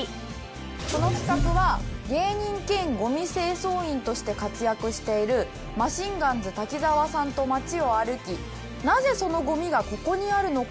この企画は芸人兼ごみ清掃員として活躍しているマシンガンズ滝沢さんと街を歩き「なぜそのごみがここにあるのか？」